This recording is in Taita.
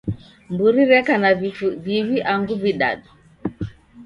Mburi reka na vifu viw'i angu vidadu?